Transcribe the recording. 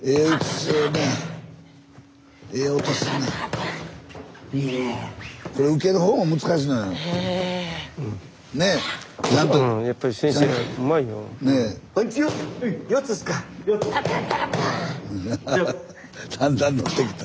スタジオだんだん乗ってきた。